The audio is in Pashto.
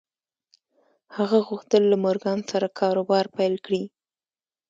هغه غوښتل له مورګان سره کاروبار پیل کړي